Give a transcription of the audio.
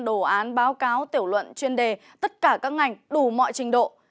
đồ án báo cáo tiểu luận chuyên đề tất cả các ngành đủ mọi trình độ